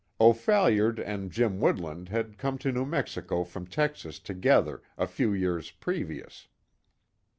O'Phalliard and Jim Woodland had come to New Mexico from Texas together, a few years previous.